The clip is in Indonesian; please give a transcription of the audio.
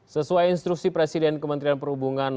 sesuai instruksi presiden kementerian perhubungan